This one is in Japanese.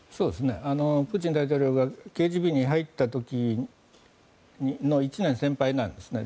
プーチン大統領がＫＧＢに入った時の１年先輩なんですね。